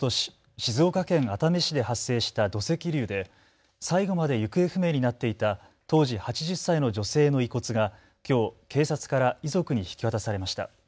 静岡県熱海市で発生した土石流で最後まで行方不明になっていた当時８０歳の女性の遺骨がきょう警察から遺族に引き渡されました。